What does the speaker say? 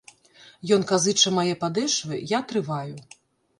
Ён казыча мае падэшвы, я трываю.